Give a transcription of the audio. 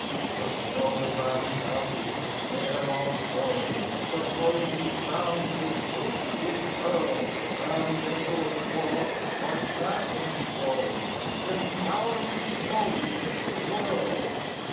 The snow rounds out each stair of stone; The frozen fount is hooped with pearl; Down desolate walks, like phantoms blown, Thin, powdery snow wreaths whirl.